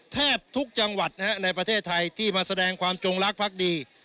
แทบทุกจังหวัดนะฮะในประเทศไทยที่มาแสดงความจงลักษณ์พรรคดี